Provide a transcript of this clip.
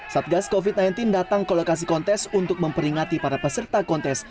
satgas covid sembilan belas datang ke lokasi kontes untuk memperingati para peserta kontes